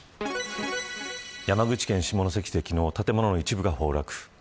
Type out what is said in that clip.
山口県下関で昨日建物の一部が崩落。